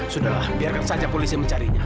sudahlah biarkan saja polisi mencarinya